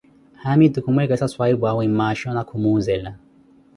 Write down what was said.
Haamitu kuh mwekesa swahipwaawe mmasho na khumuzela